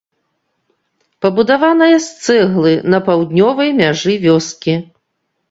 Пабудаваная з цэглы на паўднёвай мяжы вёскі.